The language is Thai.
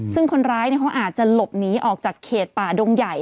ซึ่งคนร้ายเขาอาจจะหลบหนีออกจากเขตป่าดงใหญ่